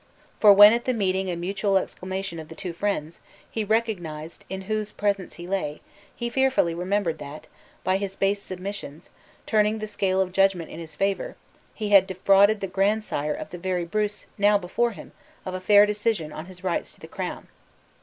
For when at the meeting and mutual exclamation of the two friends, he recognized in whose presence he lay, he fearfully remembered that, by his base submissions, turning the scale of judgment in his favor, he had defrauded the grandsire of the very Bruce now before him of a fair decision on his rights to the crown!